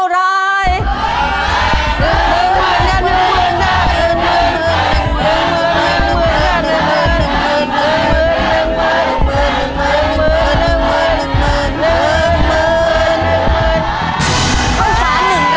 รึงมือหนึ่งมือนึงมือ